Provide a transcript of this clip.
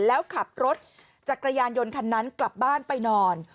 แล้วขับรถจักรยานยนต์คันนั้นกลับบ้านไปนอน